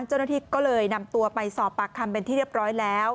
เจ้าหน้าที่ก็เลยนำตัวไปสอบปากคำเป็นที่เรียบร้อยแล้ว